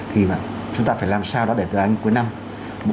thì chúng ta phải làm sao đó để từ anh đến cuối năm